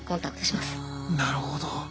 なるほど。